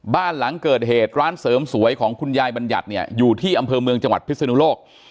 บ้านหลังเกิดเหตุร้านเสริมสวยของคุณยายบัญญัติเนี่ยอยู่ที่อำเภอเมืองจังหวัดพิศนุโลก